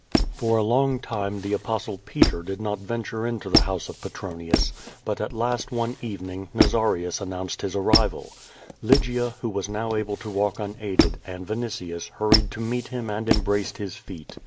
For a long time the Apostle Peter did not venture into the ^ QUO TADIff. house of Petronius, but at last one cTening, Nazarius an nounced his arrivaL I^ygia, iiho was now able to walk un aided, and Vinitiiij* hurried to meet him and embraced his feet.